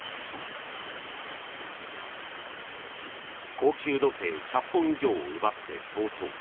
高級時計１００本以上を奪って逃走。